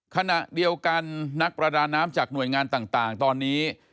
ขณะเดียวกันนักประดาน้ำจากหน่วยงานต่างตอนนี้